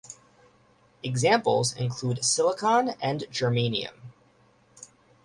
Examples include silicon and germanium.